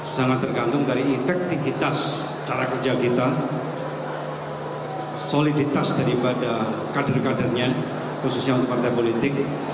sangat tergantung dari efektivitas cara kerja kita soliditas daripada kader kadernya khususnya untuk partai politik